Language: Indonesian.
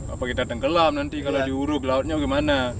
apa kita tenggelam nanti kalau diuruk lautnya bagaimana